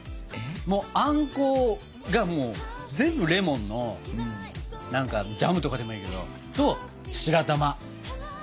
もうあんこがもう全部レモンの何かジャムとかでもいいけどと白玉。